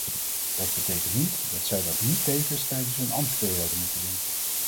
Dat betekent niet dat zij dat niet tevens tijdens hun ambtsperiode moeten doen.